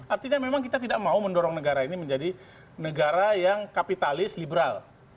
artinya memang kita tidak mau mendorong negara ini menjadi negara yang kapitalis liberal